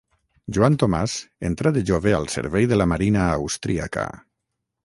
Joan Tomàs entrà de jove al servei de la marina austríaca.